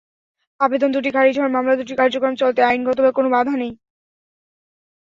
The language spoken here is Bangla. আবেদন দুটি খারিজ হওয়ায় মামলা দুটির কার্যক্রম চলতে আইনগত কোনো বাধা নেই।